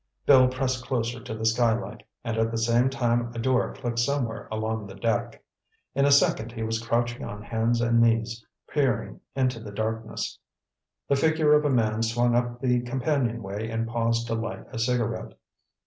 Bill pressed closer to the skylight, and at the same time a door clicked somewhere along the deck. In a second he was crouching on hands and knees, peering into the darkness. The figure of a man swung up the companionway and paused to light a cigarette.